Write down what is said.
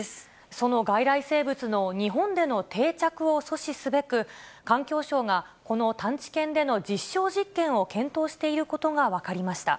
その外来生物の日本での定着を阻止すべく、環境省がこの探知犬での実証実験を検討していることが分かりました。